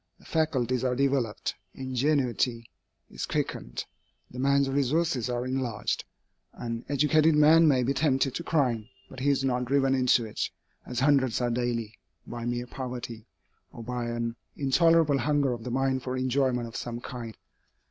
The faculties are developed, ingenuity is quickened, the man's resources are enlarged. An educated man may be tempted to crime, but he is not driven into it, as hundreds are daily, by mere poverty, or by an intolerable hunger of the mind for enjoyment of some kind.